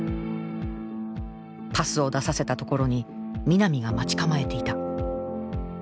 パスを出させたところに南が待ち構えていた。